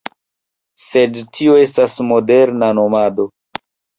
Sed tio estas moderna nomado.